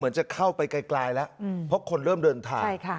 จะเข้าไปไกลแล้วเพราะคนเริ่มเดินทาง